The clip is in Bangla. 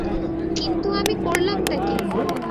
কিন্তু আমি করলামটা কী?